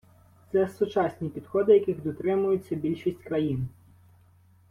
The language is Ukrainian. Це сучасні підходи, яких дотримується більшість країн.